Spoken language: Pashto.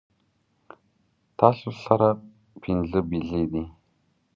تاسو سره پنځۀ بيزې دي